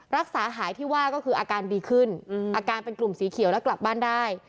รักษาหายที่ว่าก็คืออาการดีขึ้นอาการเป็นกลุ่มสีเขียวแล้วกลับบ้านได้